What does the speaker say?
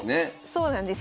そうなんです。